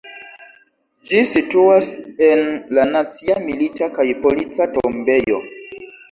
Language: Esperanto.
Ĝi situas en la Nacia Milita kaj Polica Tombejo.